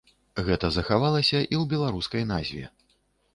Гэта захавалася і ў беларускай назве.